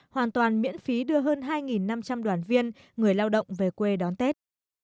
hoàn toàn miễn phí đưa hơn hai năm trăm linh đoàn viên người lao động về quê đón tết